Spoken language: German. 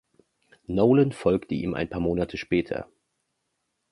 Nolan folgte ihm ein paar Monate später.